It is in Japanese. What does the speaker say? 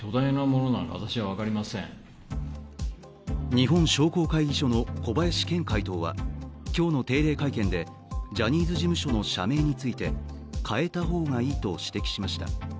日本商工会議所の小林健会頭は今日の定例会見でジャニーズ事務所の社名について変えたほうがいいと指摘しました。